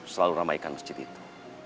selalu ramaikan masjid itu